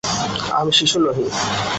আমি শিশু নহি।